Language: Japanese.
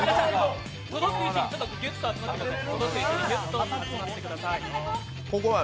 届く位置にギュッと集まってください。